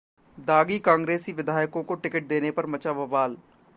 दागी कांग्रेसी विधायकों को टिकट देने पर मचा बवाल